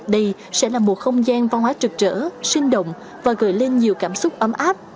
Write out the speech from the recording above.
đây sẽ là một không gian văn hóa trực trở sinh động và gửi lên nhiều cảm xúc ấm áp